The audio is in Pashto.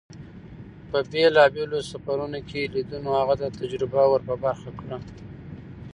په بېلابېلو سفرون کې لیدنو هغه ته تجربه ور په برخه کړه.